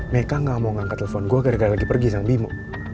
mereka gak mau ngangkat telepon gue gara gara lagi pergi sama bimo